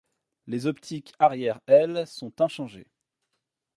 Les optiques arrière, elles, sont inchangées.